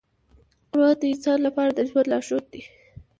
قرآن د انسان لپاره د ژوند لارښود دی.